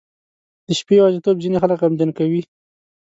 • د شپې یوازیتوب ځینې خلک غمجن کوي.